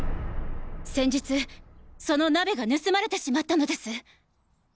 先日その鍋が盗まれてしまったのです。